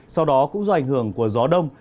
sau đó cũng do ảnh hưởng của gió đông